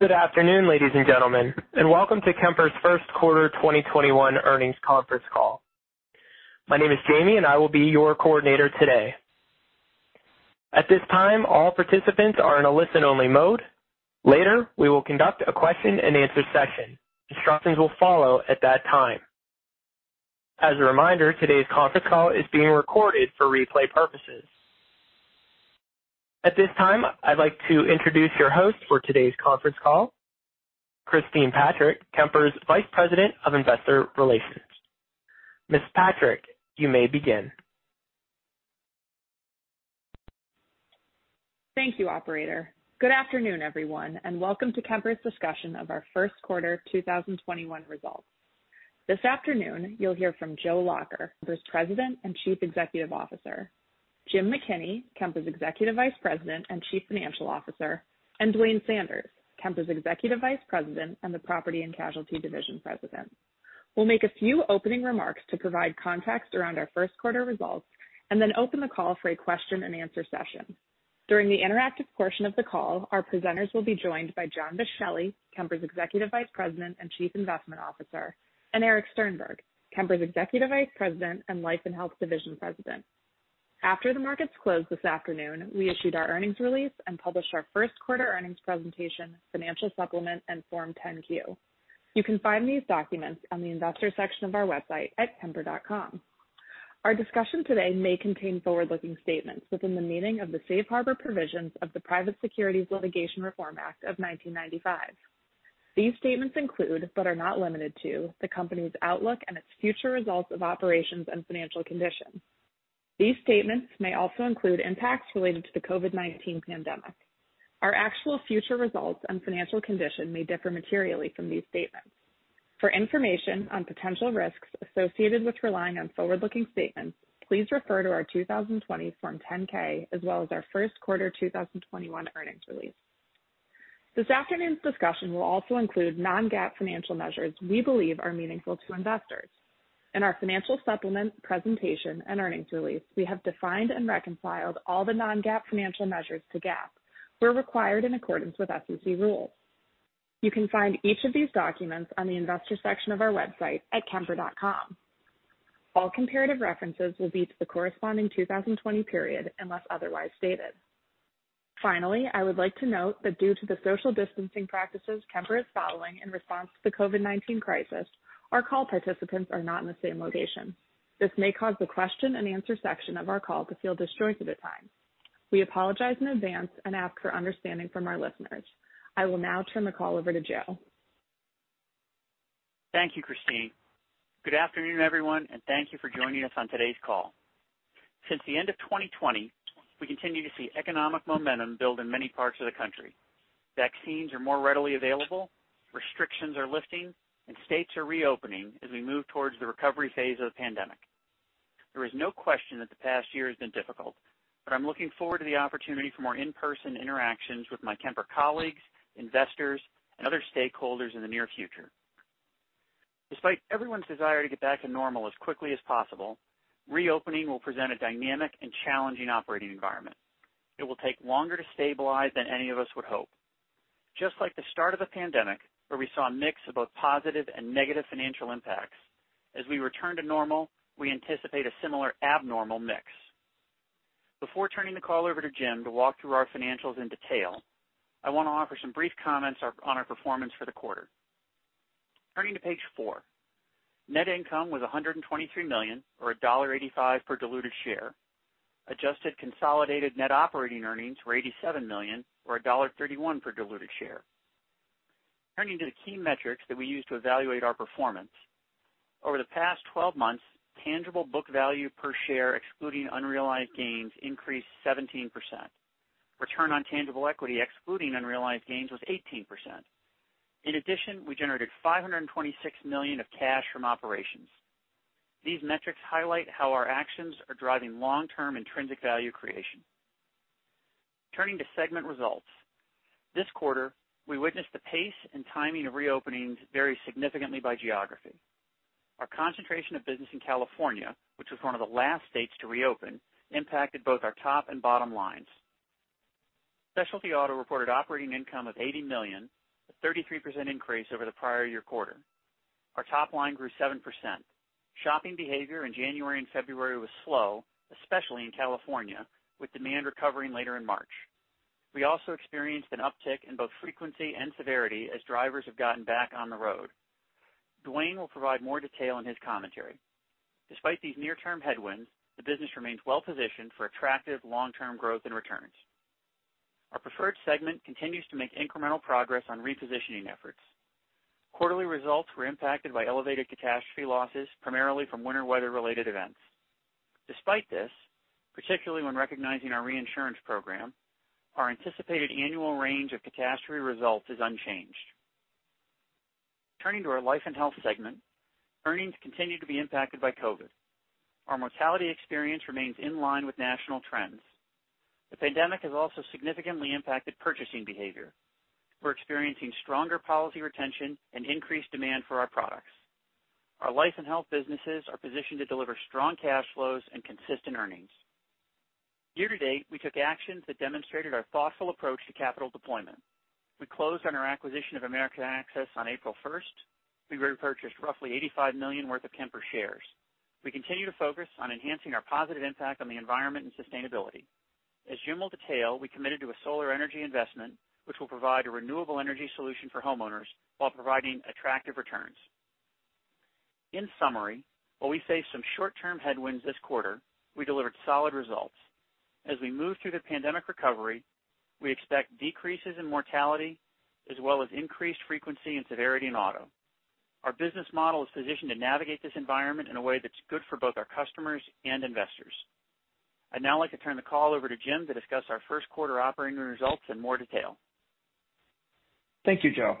Good afternoon, ladies and gentlemen, welcome to Kemper's First Quarter 2021 Earnings Conference Call. My name is Jamie and I will be your coordinator today. At this time, all participants are in a listen-only mode. Later, we will conduct a question-and-answer session. Instructions will follow at that time. As a reminder, today's conference call is being recorded for replay purposes. At this time, I'd like to introduce your host for today's conference call, Christine Patrick, Kemper's Vice President of Investor Relations. Ms. Patrick, you may begin. Thank you, operator. Good afternoon, everyone, and welcome to Kemper's discussion of our First Quarter 2021 Results. This afternoon, you'll hear from Joe Lacher, Kemper's President and Chief Executive Officer, Jim McKinney, Kemper's Executive Vice President and Chief Financial Officer, and Duane Sanders, Kemper's Executive Vice President and the Property and Casualty Division President. We'll make a few opening remarks to provide context around our first quarter results, and then open the call for a question-and-answer session. During the interactive portion of the call, our presenters will be joined by John Boschelli, Kemper's Executive Vice President and Chief Investment Officer, and Erich Sternberg, Kemper's Executive Vice President and Life and Health Division President. After the markets closed this afternoon, we issued our earnings release and published our first quarter earnings presentation, financial supplement, and Form 10-Q. You can find these documents on the investor section of our website at kemper.com. Our discussion today may contain forward-looking statements within the meaning of the safe harbor provisions of the Private Securities Litigation Reform Act of 1995. These statements include, but are not limited to, the company's outlook and its future results of operations and financial conditions. These statements may also include impacts related to the COVID-19 pandemic. Our actual future results and financial condition may differ materially from these statements. For information on potential risks associated with relying on forward-looking statements, please refer to our 2020 Form 10-K as well as our first quarter 2021 earnings release. This afternoon's discussion will also include non-GAAP financial measures we believe are meaningful to investors. In our financial supplement presentation and earnings release, we have defined and reconciled all the non-GAAP financial measures to GAAP, where required in accordance with SEC rules. You can find each of these documents on the investor section of our website at kemper.com. All comparative references will be to the corresponding 2020 period, unless otherwise stated. I would like to note that due to the social distancing practices Kemper is following in response to the COVID-19 crisis, our call participants are not in the same location. This may cause the question-and-answer section of our call to feel disjointed at times. We apologize in advance and ask for understanding from our listeners. I will now turn the call over to Joe. Thank you, Christine. Good afternoon, everyone, and thank you for joining us on today's call. Since the end of 2020, we continue to see economic momentum build in many parts of the country. Vaccines are more readily available, restrictions are lifting, and states are reopening as we move towards the recovery phase of the pandemic. There is no question that the past year has been difficult, but I'm looking forward to the opportunity for more in-person interactions with my Kemper colleagues, investors, and other stakeholders in the near future. Despite everyone's desire to get back to normal as quickly as possible, reopening will present a dynamic and challenging operating environment. It will take longer to stabilize than any of us would hope. Just like the start of the pandemic, where we saw a mix of both positive and negative financial impacts, as we return to normal, we anticipate a similar abnormal mix. Before turning the call over to Jim to walk through our financials in detail, I want to offer some brief comments on our performance for the quarter. Turning to page four. Net income was $123 million, or $1.85 per diluted share. Adjusted consolidated net operating earnings were $87 million, or $1.31 per diluted share. Turning to the key metrics that we use to evaluate our performance. Over the past 12 months, tangible book value per share excluding unrealized gains increased 17%. Return on tangible equity excluding unrealized gains was 18%. In addition, we generated $526 million of cash from operations. These metrics highlight how our actions are driving long-term intrinsic value creation. Turning to segment results. This quarter, we witnessed the pace and timing of reopening vary significantly by geography. Our concentration of business in California, which was one of the last states to reopen, impacted both our top and bottom lines. Specialty Auto reported operating income of $80 million, a 33% increase over the prior year quarter. Our top line grew 7%. Shopping behavior in January and February was slow, especially in California, with demand recovering later in March. We also experienced an uptick in both frequency and severity as drivers have gotten back on the road. Duane will provide more detail in his commentary. Despite these near-term headwinds, the business remains well-positioned for attractive long-term growth and returns. Our preferred segment continues to make incremental progress on repositioning efforts. Quarterly results were impacted by elevated catastrophe losses, primarily from winter weather-related events. Despite this, particularly when recognizing our reinsurance program, our anticipated annual range of catastrophe results is unchanged. Turning to our life and health segment, earnings continue to be impacted by COVID-19. Our mortality experience remains in line with national trends. The pandemic has also significantly impacted purchasing behavior. We're experiencing stronger policy retention and increased demand for our products. Our life and health businesses are positioned to deliver strong cash flows and consistent earnings. Year-to-date, we took actions that demonstrated our thoughtful approach to capital deployment. We closed on our acquisition of American Access on April 1st. We repurchased roughly $85 million worth of Kemper shares. We continue to focus on enhancing our positive impact on the environment and sustainability. As Jim will detail, we committed to a solar energy investment, which will provide a renewable energy solution for homeowners while providing attractive returns. In summary, while we face some short-term headwinds this quarter, we delivered solid results. As we move through the pandemic recovery, we expect decreases in mortality, as well as increased frequency and severity in auto. Our business model is positioned to navigate this environment in a way that's good for both our customers and investors. I'd now like to turn the call over to Jim to discuss our first quarter operating results in more detail. Thank you, Joe.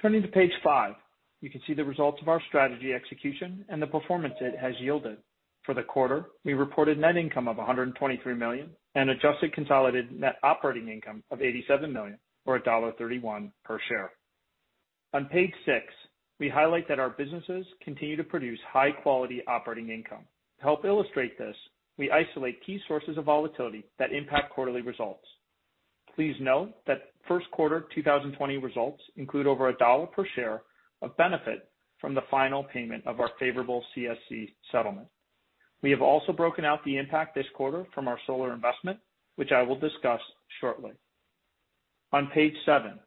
Turning to page five, you can see the results of our strategy execution and the performance it has yielded. For the quarter, we reported net income of $123 million and adjusted consolidated net operating income of $87 million, or $1.31 per share. On page six, we highlight that our businesses continue to produce high-quality operating income. To help illustrate this, we isolate key sources of volatility that impact quarterly results. Please note that first quarter 2020 results include over a dollar per share of benefit from the final payment of our favorable CSC settlement. We have also broken out the impact this quarter from our solar investment, which I will discuss shortly. On page seven,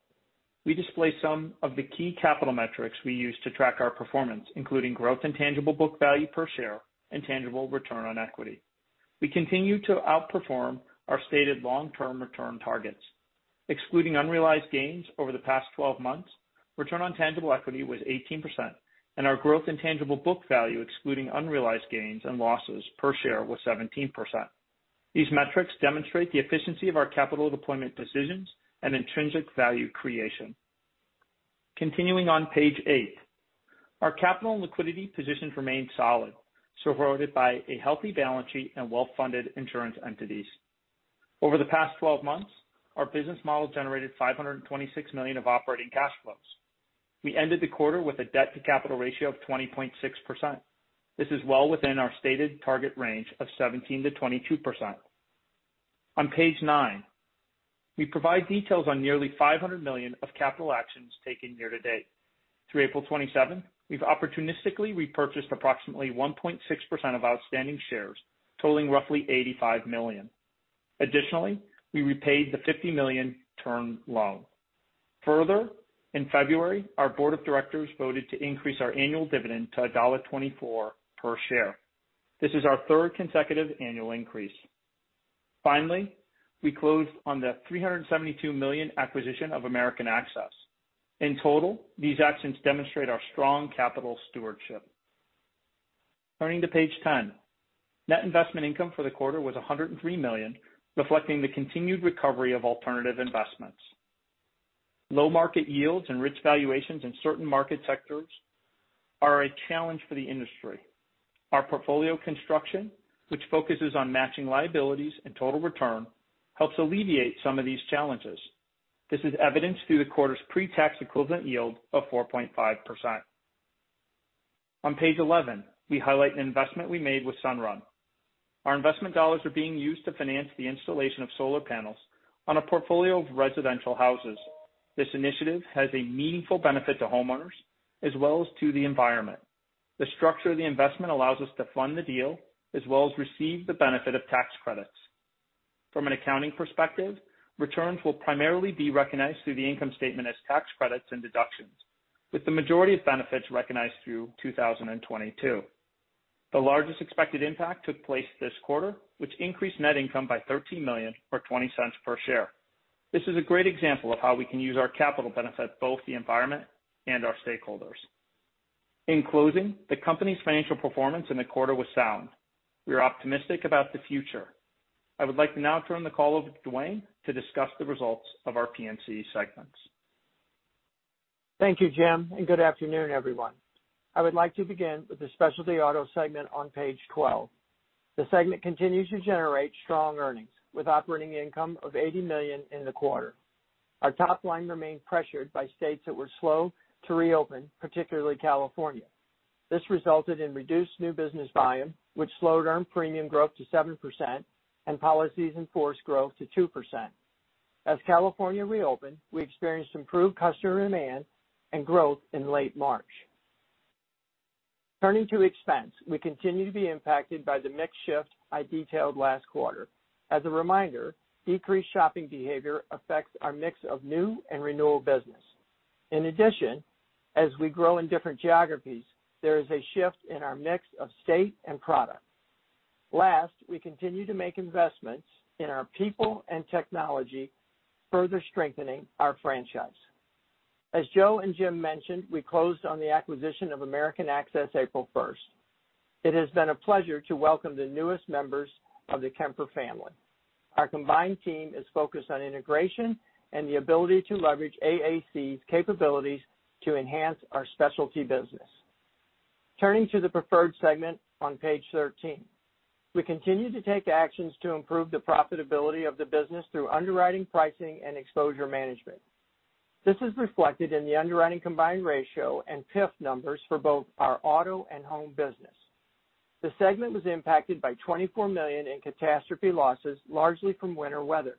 we display some of the key capital metrics we use to track our performance, including growth and tangible book value per share and tangible return on equity. We continue to outperform our stated long-term return targets. Excluding unrealized gains over the past 12 months, return on tangible equity was 18%, and our growth in tangible book value, excluding unrealized gains and losses per share, was 17%. These metrics demonstrate the efficiency of our capital deployment decisions and intrinsic value creation. Continuing on page eight, our capital and liquidity positions remain solid, supported by a healthy balance sheet and well-funded insurance entities. Over the past 12 months, our business model generated $526 million of operating cash flows. We ended the quarter with a debt-to-capital ratio of 20.6%. This is well within our stated target range of 17%-22%. On page nine, we provide details on nearly $500 million of capital actions taken year to date. Through April 27, we've opportunistically repurchased approximately 1.6% of outstanding shares, totaling roughly $85 million. Additionally, we repaid the $50 million term loan. In February, our board of directors voted to increase our annual dividend to $1.24 per share. This is our third consecutive annual increase. We closed on the $372 million acquisition of American Access. These actions demonstrate our strong capital stewardship. Turning to page 10, net investment income for the quarter was $103 million, reflecting the continued recovery of alternative investments. Low market yields and rich valuations in certain market sectors are a challenge for the industry. Our portfolio construction, which focuses on matching liabilities and total return, helps alleviate some of these challenges. This is evidenced through the quarter's pre-tax equivalent yield of 4.5%. On page 11, we highlight an investment we made with Sunrun. Our investment dollars are being used to finance the installation of solar panels on a portfolio of residential houses. This initiative has a meaningful benefit to homeowners as well as to the environment. The structure of the investment allows us to fund the deal as well as receive the benefit of tax credits. From an accounting perspective, returns will primarily be recognized through the income statement as tax credits and deductions, with the majority of benefits recognized through 2022. The largest expected impact took place this quarter, which increased net income by $13 million, or $0.20 per share. This is a great example of how we can use our capital to benefit both the environment and our stakeholders. In closing, the company's financial performance in the quarter was sound. We are optimistic about the future. I would like to now turn the call over to Duane to discuss the results of our P&C segments. Thank you, Jim, and good afternoon, everyone. I would like to begin with the Specialty Auto Segment on page 12. The segment continues to generate strong earnings, with operating income of $80 million in the quarter. Our top line remained pressured by states that were slow to reopen, particularly California. This resulted in reduced new business volume, which slowed earned premium growth to 7% and policies in force growth to 2%. As California reopened, we experienced improved customer demand and growth in late March. Turning to expense, we continue to be impacted by the mix shift I detailed last quarter. As a reminder, decreased shopping behavior affects our mix of new and renewal business. In addition, as we grow in different geographies, there is a shift in our mix of state and product. Last, we continue to make investments in our people and technology, further strengthening our franchise. As Joe and Jim mentioned, we closed on the acquisition of American Access April 1st. It has been a pleasure to welcome the newest members of the Kemper family. Our combined team is focused on integration and the ability to leverage AAC's capabilities to enhance our specialty business. Turning to the preferred segment on page 13. We continue to take actions to improve the profitability of the business through underwriting, pricing, and exposure management. This is reflected in the underwriting combined ratio and PIF numbers for both our auto and home business. The segment was impacted by $24 million in catastrophe losses, largely from winter weather.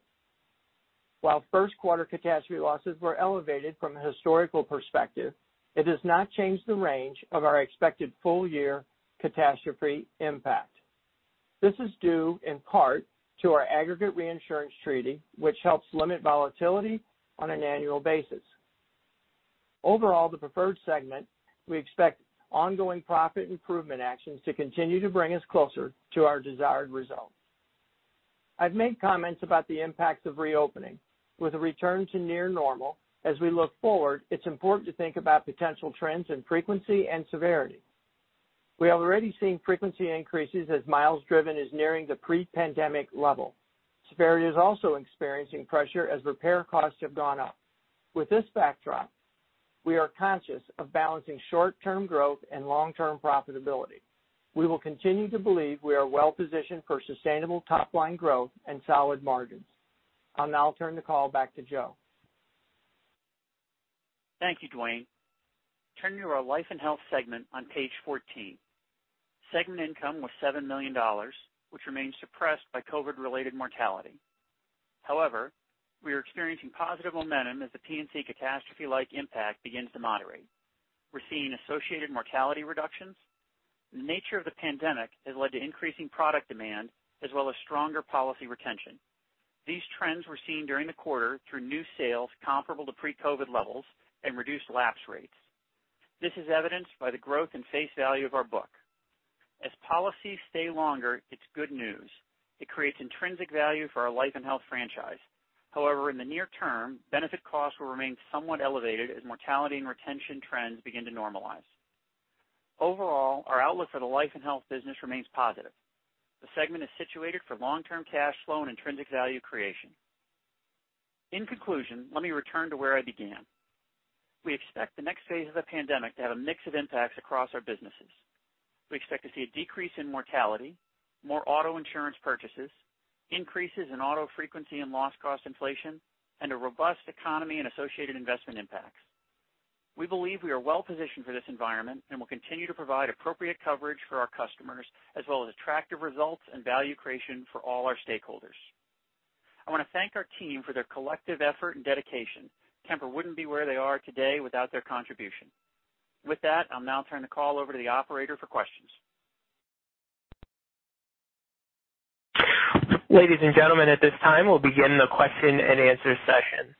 First quarter catastrophe losses were elevated from a historical perspective, it does not change the range of our expected full-year catastrophe impact. This is due in part to our aggregate reinsurance treaty, which helps limit volatility on an annual basis. Overall, the preferred segment, we expect ongoing profit improvement actions to continue to bring us closer to our desired result. I've made comments about the impact of reopening. With a return to near normal, as we look forward, it's important to think about potential trends in frequency and severity. We are already seeing frequency increases as miles driven is nearing the pre-pandemic level. Severity is also experiencing pressure as repair costs have gone up. With this backdrop, we are conscious of balancing short-term growth and long-term profitability. We will continue to believe we are well-positioned for sustainable top-line growth and solid margins. I'll now turn the call back to Joe. Thank you, Duane. Turning to our life and health segment on page 14. Segment income was $7 million, which remains suppressed by COVID-related mortality. However, we are experiencing positive momentum as the P&C catastrophe-like impact begins to moderate. We're seeing associated mortality reductions. The nature of the pandemic has led to increasing product demand as well as stronger policy retention. These trends were seen during the quarter through new sales comparable to pre-COVID levels and reduced lapse rates. This is evidenced by the growth in face value of our book. As policies stay longer, it's good news. It creates intrinsic value for our life and health franchise. However, in the near term, benefit costs will remain somewhat elevated as mortality and retention trends begin to normalize. Overall, our outlook for the life and health business remains positive. The segment is situated for long-term cash flow and intrinsic value creation. In conclusion, let me return to where I began. We expect the next phase of the pandemic to have a mix of impacts across our businesses. We expect to see a decrease in mortality, more auto insurance purchases, increases in auto frequency and loss cost inflation, and a robust economy and associated investment impacts. We believe we are well-positioned for this environment and will continue to provide appropriate coverage for our customers as well as attractive results and value creation for all our stakeholders. I want to thank our team for their collective effort and dedication. Kemper wouldn't be where they are today without their contribution. With that, I'll now turn the call over to the operator for questions. Ladies and gentlemen, at this time, we'll begin the question-and-answer session.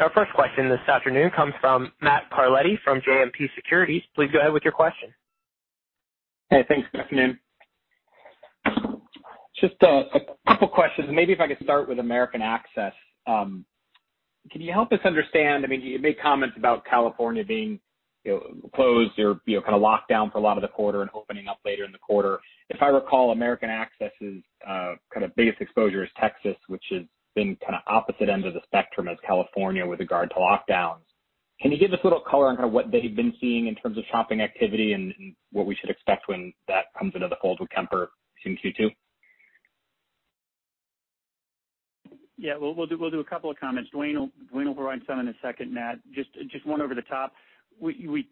Our first question this afternoon comes from Matt Carletti from JMP Securities. Please go ahead with your question. Hey, thanks. Good afternoon. Just a couple questions. Maybe if I could start with American Access. Can you help us understand, you made comments about California being closed or locked down for a lot of the quarter and opening up later in the quarter. If I recall, American Access' kind of biggest exposure is Texas, which has been kind of opposite end of the spectrum as California with regard to lockdowns. Can you give us a little color on what they've been seeing in terms of shopping activity and what we should expect when that comes into the fold with Kemper in Q2? Yeah. We'll do a couple of comments. Duane will provide some in a second, Matt. Just one over the top. We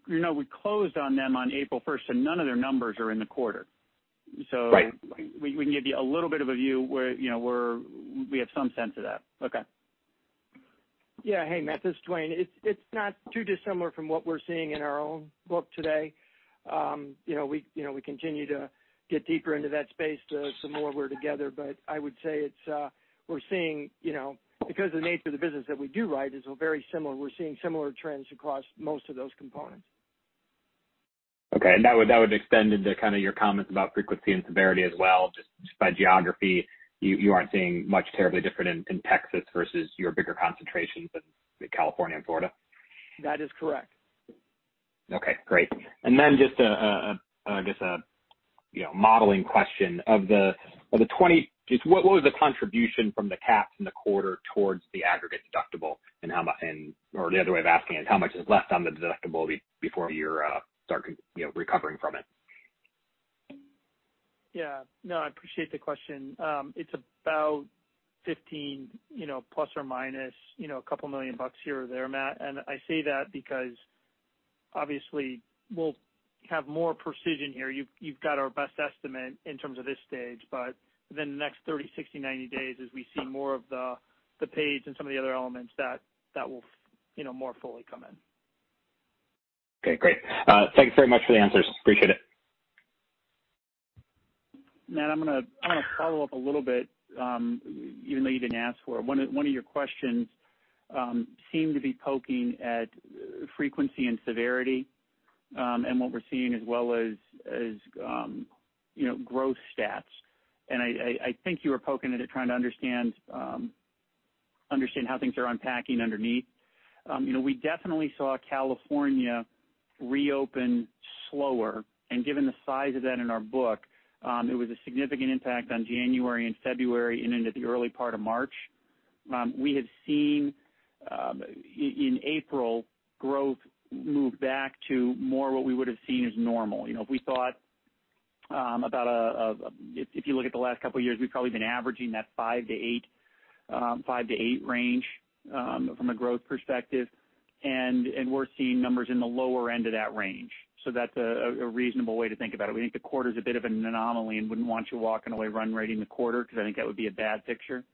closed on them on April 1st. None of their numbers are in the quarter. We can give you a little bit of a view where we have some sense of that. Okay. Hey, Matt, this is Duane. It's not too dissimilar from what we're seeing in our own book today. We continue to get deeper into that space the more we're together. I would say because the nature of the business that we do write is very similar, we're seeing similar trends across most of those components. Okay. That would extend into kind of your comments about frequency and severity as well, just by geography, you aren't seeing much terribly different in Texas versus your bigger concentrations in California and Florida? That is correct. Okay, great. Then just a modeling question. What was the contribution from the cats in the quarter towards the aggregate deductible? The other way of asking it, how much is left on the deductible before you start recovering from it? No, I appreciate the question. It's about $15 million± a couple million dollars here or there, Matt. I say that because obviously, we'll have more precision here. You've got our best estimate in terms of this stage. Within the next 30, 60, 90 days, as we see more of the page and some of the other elements, that will more fully come in. Okay, great. Thank you very much for the answers. Appreciate it. Matt, I'm going to follow up a little bit even though you didn't ask for it. One of your questions seemed to be poking at frequency and severity and what we're seeing as well as growth stats. I think you were poking at it, trying to understand how things are unpacking underneath. We definitely saw California reopen slower, and given the size of that in our book, it was a significant impact on January and February, and into the early part of March. We had seen, in April, growth move back to more what we would've seen as normal. If you look at the last couple of years, we've probably been averaging that five to eight range from a growth perspective, and we're seeing numbers in the lower end of that range. That's a reasonable way to think about it. We think the quarter's a bit of an anomaly and wouldn't want you walking away run rating the quarter, because I think that would be a bad picture.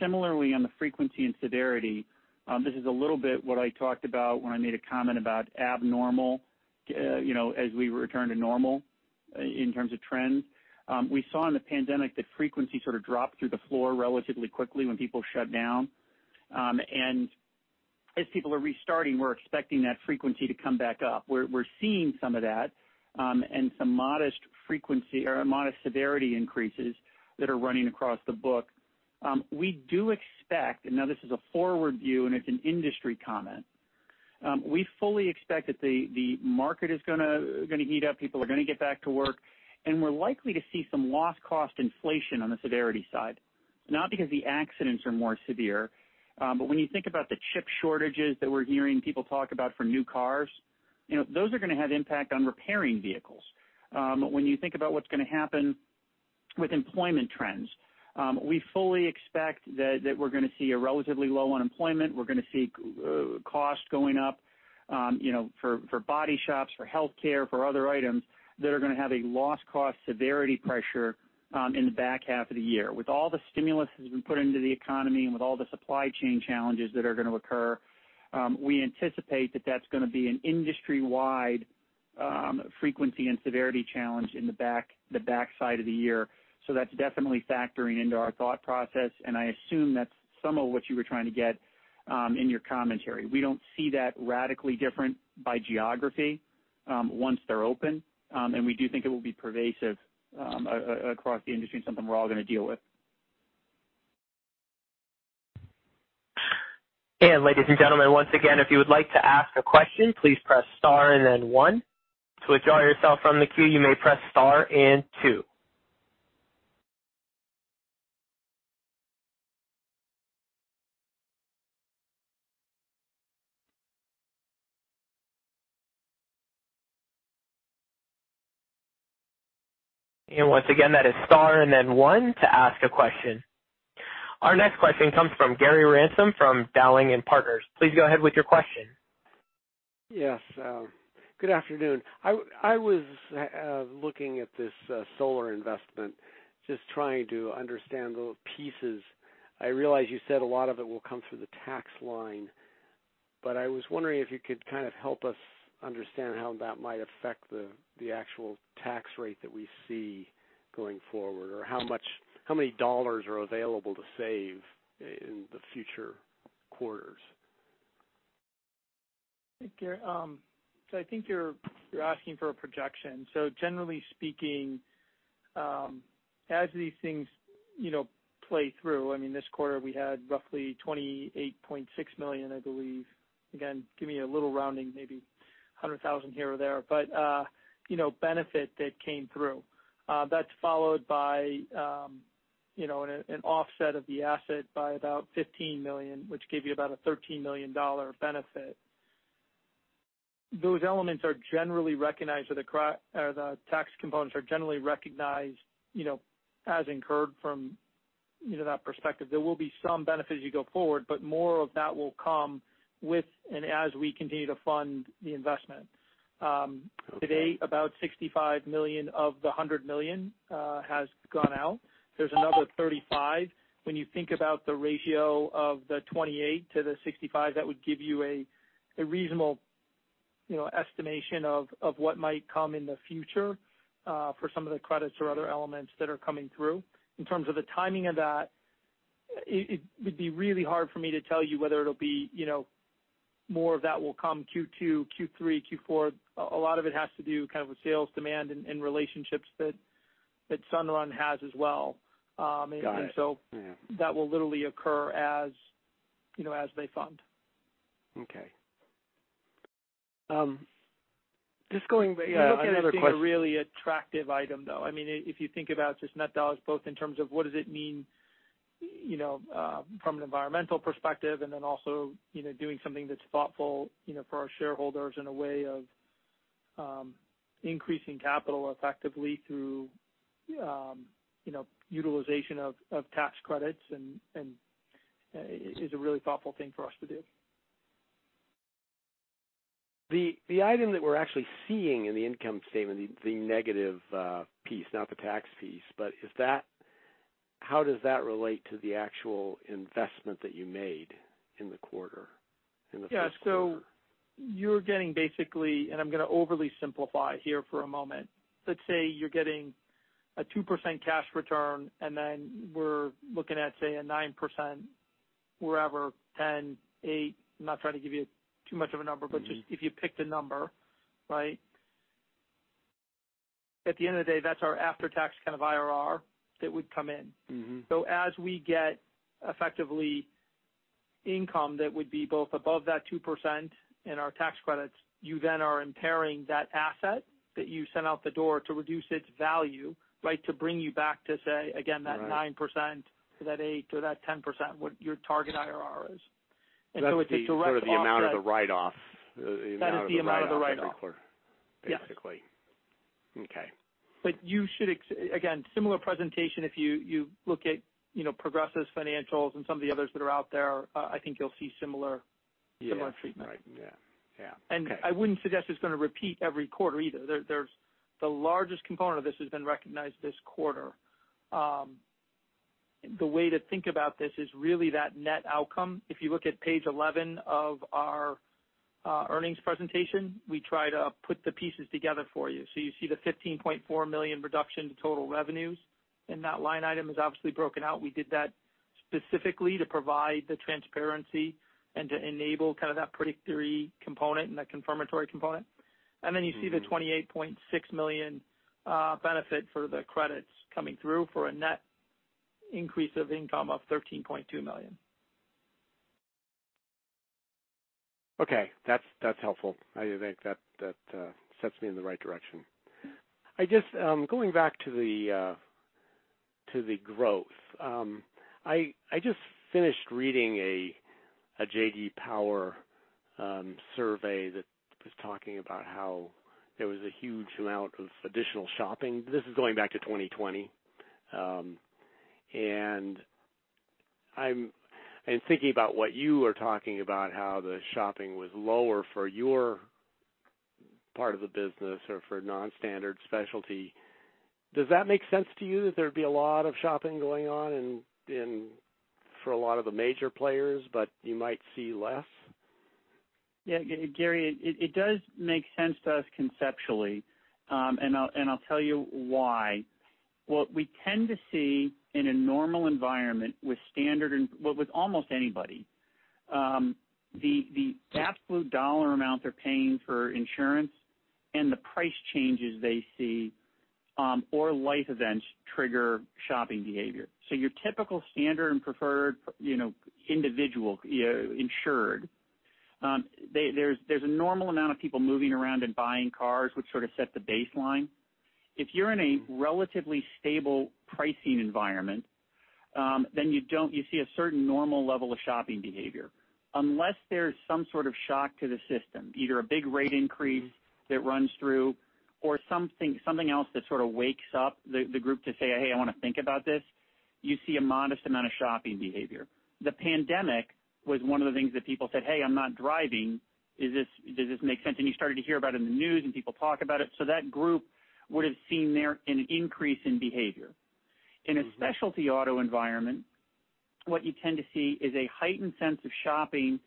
Similarly, on the frequency and severity, this is a little bit what I talked about when I made a comment about abnormal as we return to normal in terms of trends. We saw in the pandemic that frequency sort of dropped through the floor relatively quickly when people shut down. As people are restarting, we're expecting that frequency to come back up. We're seeing some of that, and some modest severity increases that are running across the book. We do expect, now this is a forward view, and it's an industry comment. We fully expect that the market is going to heat up, people are going to get back to work, and we're likely to see some loss cost inflation on the severity side. Not because the accidents are more severe, but when you think about the chip shortages that we're hearing people talk about for new cars, those are going to have impact on repairing vehicles. When you think about what's going to happen with employment trends, we fully expect that we're going to see a relatively low unemployment. We're going to see costs going up for body shops, for healthcare, for other items that are going to have a loss cost severity pressure in the back half of the year. With all the stimulus that's been put into the economy, and with all the supply chain challenges that are going to occur, we anticipate that that's going to be an industry-wide frequency and severity challenge in the backside of the year. That's definitely factoring into our thought process, and I assume that's some of what you were trying to get in your commentary. We don't see that radically different by geography once they're open, and we do think it will be pervasive across the industry and something we're all going to deal with. Ladies and gentlemen, once again, if you would like to ask a question, please press star and then one. To withdraw yourself from the queue, you may press star and two. Once again, that is star and then one to ask a question. Our next question comes from Gary Ransom from Dowling & Partners. Please go ahead with your question. Yes. Good afternoon. I was looking at this solar investment, just trying to understand the pieces. I realize you said a lot of it will come through the tax line, but I was wondering if you could help us understand how that might affect the actual tax rate that we see going forward, or how many dollars are available to save in the future quarters. Hey, Gary. I think you're asking for a projection. Generally speaking, as these things play through, this quarter we had roughly $28.6 million, I believe. Again, give me a little rounding, maybe $100,000 here or there. Benefit that came through. That's followed by an offset of the asset by about $15 million, which gave you about a $13 million benefit. Those elements are generally recognized, or the tax components are generally recognized as incurred from that perspective. There will be some benefit as you go forward, but more of that will come with, and as we continue to fund the investment. Today, about $65 million of the $100 million has gone out. There's another $35. When you think about the ratio of the $28 million to the $65 million, that would give you a reasonable estimation of what might come in the future for some of the credits or other elements that are coming through. In terms of the timing of that, it would be really hard for me to tell you whether it'll be more of that will come Q2, Q3, Q4. A lot of it has to do with sales demand and relationships that Sunrun has as well. That will literally occur as they fund. Okay. Just going back, another question. We look at it being a really attractive item, though. If you think about just net dollars, both in terms of what does it mean from an environmental perspective, and then also doing something that's thoughtful for our shareholders in a way of increasing capital effectively through utilization of tax credits and is a really thoughtful thing for us to do. The item that we're actually seeing in the income statement, the negative piece, not the tax piece, but how does that relate to the actual investment that you made in the quarter? In the first quarter. You're getting basically, and I'm going to overly simplify here for a moment. Let's say you're getting a 2% cash return, and then we're looking at a 9% wherever, 10%, 8%, I'm not trying to give you too much of a number, but just if you picked a number, right? At the end of the day, that's our after-tax kind of IRR that would come in. As we get effectively income that would be both above that 2% in our tax credits, you then are impairing that asset that you sent out the door to reduce its value, right? 9%, or that 8% or that 10%, what your target IRR is. It's a direct offset. That's sort of the amount of the write-off. The amount of the write-off at Kemper. That is the amount of the write-off. Yes. You should, again, similar presentation if you look at Progressive's financials and some of the others that are out there, I think you'll see similar treatment. I wouldn't suggest it's going to repeat every quarter either. The largest component of this has been recognized this quarter. The way to think about this is really that net outcome. If you look at page 11 of our earnings presentation, we try to put the pieces together for you. You see the $15.4 million reduction to total revenues, and that line item is obviously broken out. We did that specifically to provide the transparency and to enable that predictory component and that confirmatory component. You see the $28.6 million benefit for the credits coming through for a net increase of income of $13.2 million. Okay. That's helpful. I think that sets me in the right direction. Going back to the growth. I just finished reading a JD Power survey that was talking about how there was a huge amount of additional shopping. This is going back to 2020. I'm thinking about what you were talking about, how the shopping was lower for your part of the business or for non-standard specialty. Does that make sense to you, that there'd be a lot of shopping going on for a lot of the major players, but you might see less? Gary, it does make sense to us conceptually, and I'll tell you why. What we tend to see in a normal environment with standard, well, with almost anybody, the absolute dollar amount they're paying for insurance and the price changes they see or life events trigger shopping behavior. Your typical standard and preferred individual insured, there's a normal amount of people moving around and buying cars, which sort of sets the baseline. If you're in a relatively stable pricing environment, you see a certain normal level of shopping behavior. Unless there's some sort of shock to the system, either a big rate increase that runs through or something else that sort of wakes up the group to say, "Hey, I want to think about this," you see a modest amount of shopping behavior. The pandemic was one of the things that people said, "Hey, I'm not driving." Does this make sense? You started to hear about it in the news, and people talk about it. That group would've seen there an increase in behavior. In a specialty auto environment, what you tend to see is a heightened sense of shopping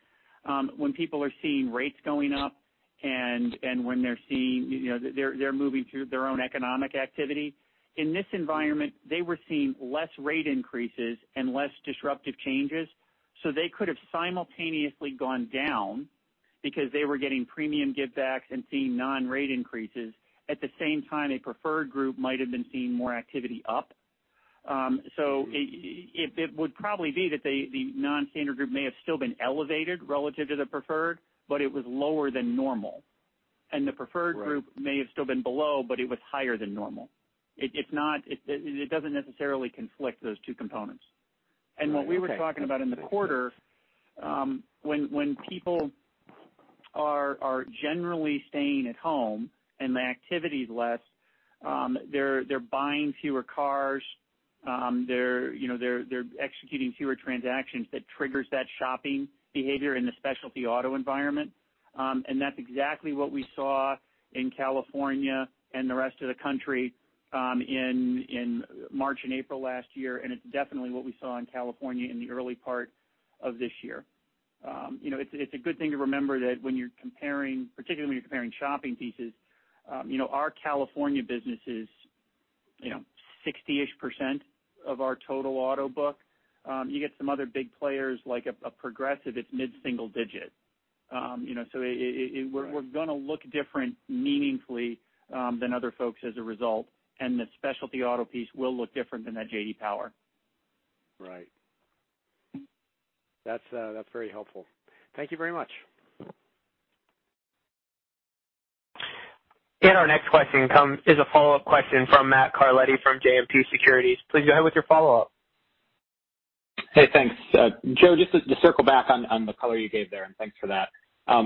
when people are seeing rates going up and when they're moving through their own economic activity. In this environment, they were seeing less rate increases and less disruptive changes, so they could have simultaneously gone down because they were getting premium give backs and seeing non-rate increases. At the same time, a preferred group might have been seeing more activity up. It would probably be that the non-standard group may have still been elevated relative to the preferred, but it was lower than normal may have still been below, but it was higher than normal. It doesn't necessarily conflict, those two components. Right. Okay. Got it. What we were talking about in the quarter, when people are generally staying at home and the activity is less, they're buying fewer cars. They're executing fewer transactions that triggers that shopping behavior in the specialty auto environment. That's exactly what we saw in California and the rest of the country in March and April last year, and it's definitely what we saw in California in the early part of this year. It's a good thing to remember that when you're comparing, particularly when you're comparing shopping pieces, our California business is 60% of our total auto book. You get some other big players like a Progressive, it's mid-single digit. We're going to look different meaningfully than other folks as a result, and the specialty auto piece will look different than that JD Power. Right. That's very helpful. Thank you very much. Our next question is a follow-up question from Matt Carletti from JMP Securities. Please go ahead with your follow-up. Hey, thanks. Joe, just to circle back on the color you gave there, and thanks for that.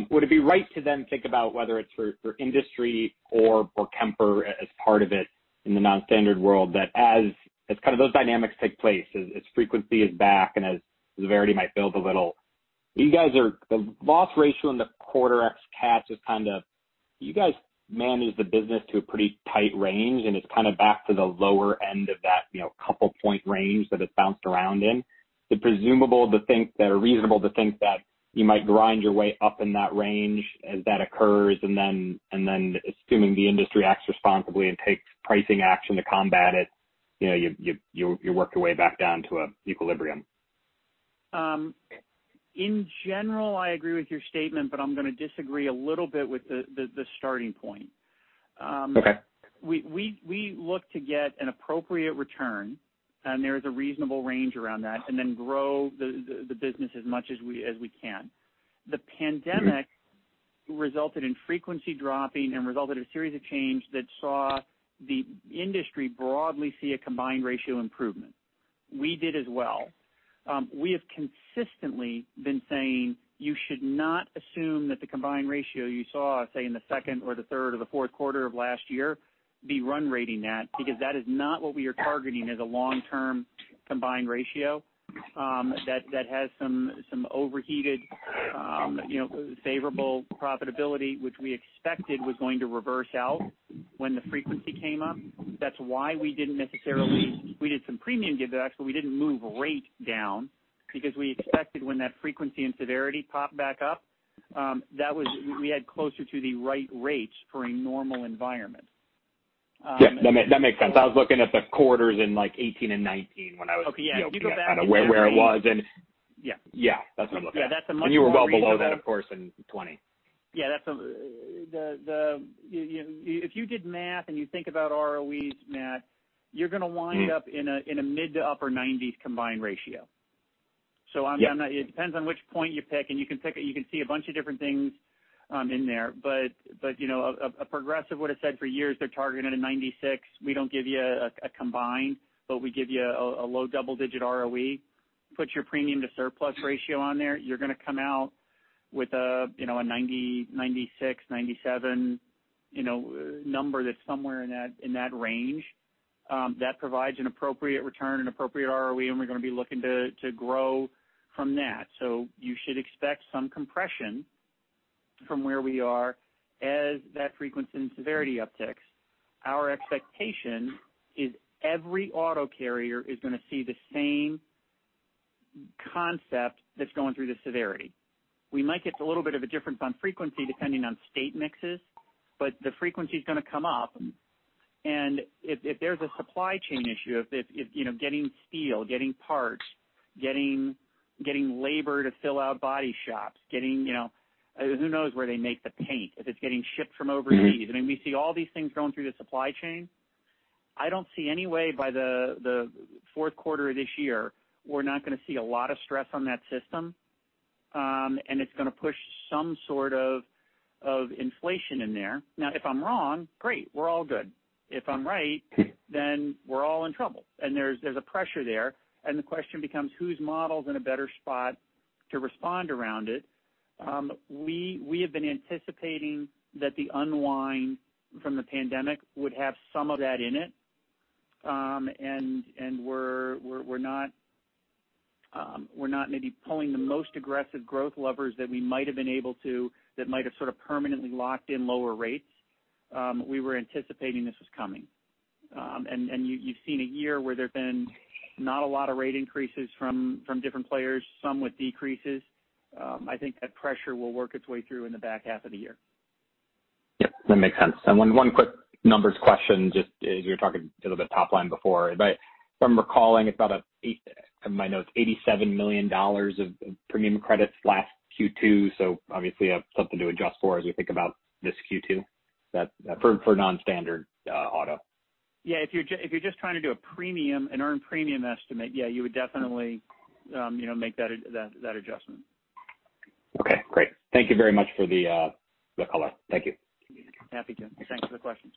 Would it be right to then think about whether it's for industry or for Kemper as part of it in the non-standard world, that as those dynamics take place, as frequency is back and as severity might build a little, the loss ratio in the quarter ex cat is kind of, you guys manage the business to a pretty tight range, and it's back to the lower end of that couple point range that it's bounced around in. Is it reasonable to think that you might grind your way up in that range as that occurs, and then assuming the industry acts responsibly and takes pricing action to combat it. You work your way back down to a equilibrium. In general, I agree with your statement, but I'm going to disagree a little bit with the starting point. Okay. We look to get an appropriate return, and there's a reasonable range around that, and then grow the business as much as we can. The pandemic resulted in frequency dropping and resulted a series of change that saw the industry broadly see a combined ratio improvement. We did as well. We have consistently been saying, you should not assume that the combined ratio you saw, say, in the second or the third or the fourth quarter of last year be run rating that, because that is not what we are targeting as a long-term combined ratio. That has some overheated favorable profitability, which we expected was going to reverse out when the frequency came up. That's why we didn't necessarily, we did some premium give backs, but we didn't move rate down because we expected when that frequency and severity popped back up, we had closer to the right rates for a normal environment. Yeah, that makes sense. I was looking at the quarters in like 2018 and 2019 when I was, where it was. Okay. Yeah. If you go back and look at rates. That's what I'm looking at. That's a much broader view. You were well below that, of course, in 2020. If you did math and you think about ROEs, Matt, you're going to wind up in a mid to upper 90% combined ratio. It depends on which point you pick, and you can see a bunch of different things in there. Progressive would've said for years they're targeting a 96%. We don't give you a combined, we give you a low double-digit ROE. Put your premium to surplus ratio on there, you're going to come out with a 96%, 97% number that's somewhere in that range. That provides an appropriate return and appropriate ROE, and we're going to be looking to grow from that. You should expect some compression from where we are as that frequency and severity upticks. Our expectation is every auto carrier is going to see the same concept that's going through the severity. We might get a little bit of a difference on frequency depending on state mixes, but the frequency's going to come up, and if there's a supply chain issue, if getting steel, getting parts, getting labor to fill out body shops, who knows where they make the paint, if it's getting shipped from overseas. I mean, we see all these things going through the supply chain. I don't see any way by the fourth quarter of this year, we're not going to see a lot of stress on that system, and it's going to push some sort of inflation in there. Now, if I'm wrong, great. We're all good. If I'm right, then we're all in trouble. There's a pressure there, and the question becomes whose model's in a better spot to respond around it. We have been anticipating that the unwind from the pandemic would have some of that in it. We're not maybe pulling the most aggressive growth levers that we might've been able to, that might've sort of permanently locked in lower rates. We were anticipating this was coming. You've seen a year where there've been not a lot of rate increases from different players, some with decreases. I think that pressure will work its way through in the back half of the year. Yep, that makes sense. One quick numbers question, just as you were talking a little bit top line before. If I'm recalling, it's about, in my notes, $87 million of premium credits last Q2. Obviously something to adjust for as we think about this Q2, for non-standard auto. Yeah, if you're just trying to do a premium, an earned premium estimate, yeah, you would definitely make that adjustment. Okay, great. Thank you very much for the color. Thank you. Happy to. Thanks for the questions.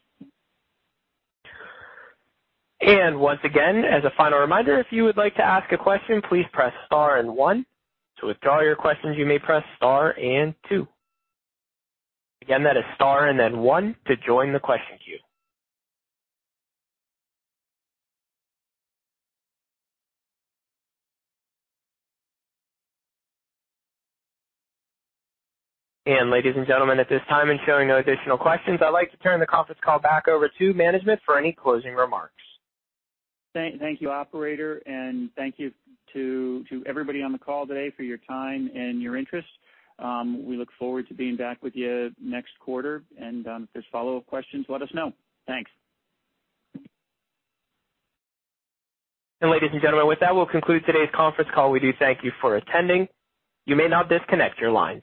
Once again, as a final reminder, if you would like to ask a question, please press star and one. To withdraw your questions, you may press star and two. That is star and then one to join the question queue. Ladies and gentlemen, at this time, and showing no additional questions, I'd like to turn the conference call back over to management for any closing remarks. Thank you, operator, and thank you to everybody on the call today for your time and your interest. We look forward to being back with you next quarter. If there's follow-up questions, let us know. Thanks. Ladies and gentlemen, with that, we'll conclude today's conference call. We do thank you for attending. You may now disconnect your lines.